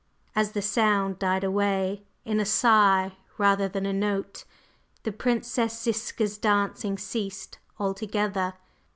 As the sound died away in a sigh rather than a note, the Princess Ziska's dancing ceased altogether.